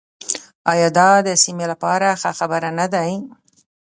آیا دا د سیمې لپاره ښه خبر نه دی؟